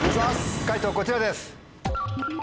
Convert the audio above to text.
解答こちらです。